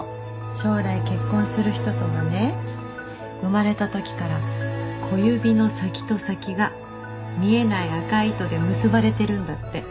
将来結婚する人とはね生まれた時から小指の先と先が見えない赤い糸で結ばれてるんだって。